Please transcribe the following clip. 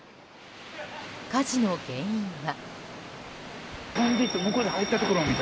火事の原因は？